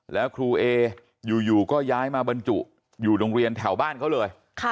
แล้วครูเออยู่ก็ย้ายมาบรรจุอยู่โรงเรียนแถวบ้านเขาเลย